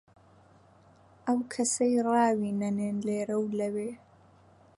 ئەو کەسەی ڕاوی نەنێن لێرە و لەوێ،